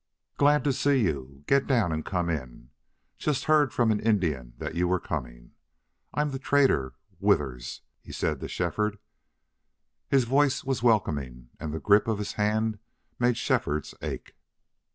"Glad to see you. Get down and come in. Just heard from an Indian that you were coming. I'm the trader Withers," he said to Shefford. His voice was welcoming and the grip of his hand made Shefford's ache.